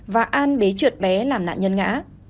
và an bế trượt bé làm nạn nhân ngã